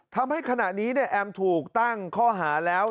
ทำให้ขณะนี้แอมถูกตั้งข้อหาแล้ว